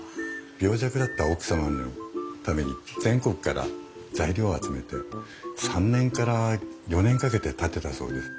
病弱だった奥様のために全国から材料を集めて３年から４年かけて建てたそうです。